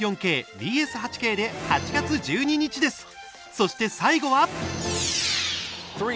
そして、最後は。